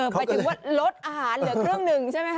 หมายถึงว่าลดอาหารเหลือครึ่งหนึ่งใช่ไหมคะ